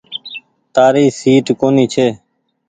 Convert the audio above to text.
تآري سيٽ ڪونيٚ ڇي۔